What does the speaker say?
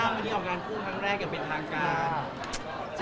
วันนี้ออกงานคู่ครั้งแรกอย่างเป็นทางการ